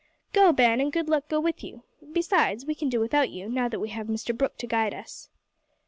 "Go, Ben, and good luck go with you! Besides, we can do without you, now that we have Mr Brooke to guide us."